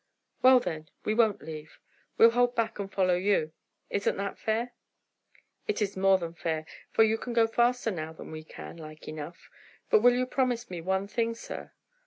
"Well, then we won't leave. We'll hold back and follow you. Isn't that fair?" "It is more than fair, for you can go faster now than we can, like enough. But will you promise me one thing, sir?"